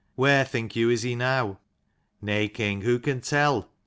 Where, think you, is he now?" "Nay, king, who can tell?